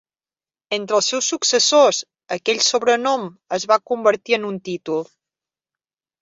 Entre els seus successors, aquell sobrenom es va convertir en un títol.